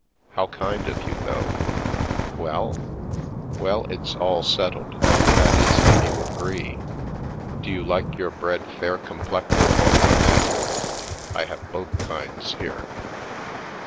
How kind of you, though ! Well ?"" Well, it's all settled. That is, if you agree. Do you like your bread fair complected or brunette? I have both kinds here."